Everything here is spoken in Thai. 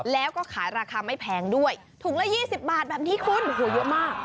แล้วก็ขายราคาไม่แพงด้วยถุงละ๒๐บาทแบบนี้คุณโอ้โหเยอะมาก